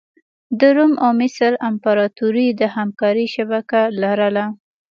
د روم او مصر امپراتوري د همکارۍ شبکه لرله.